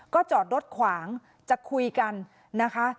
ก็จอดรถขวางจะคุยกันนะคะ